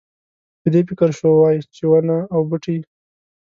په دې فکر شوی وای چې ونه او بوټی.